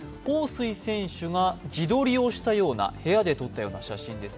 彭帥選手が自撮りをしたような、部屋で撮ったような写真です。